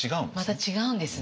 また違うんですね。